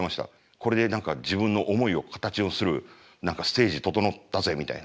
これで何か自分の思いを形をするステージ整ったぜみたいな。